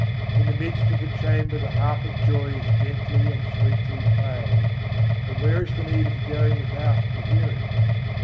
In the midst of the chamber the harp of joy is gently and sweetly played; and where is the need of going without to hear it?